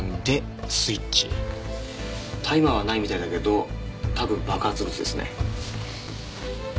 タイマーはないみたいだけど多分爆発物ですね。